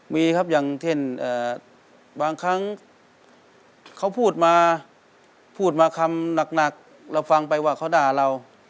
มีครับอย่างเช่นบางครั้งเขาพูดมาพูดมาคำหนักเราฟังไปว่าเขาด่าเรา